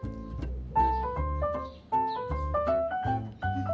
うん。